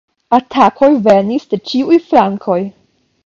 Atakoj venis de ĉiuj flankoj.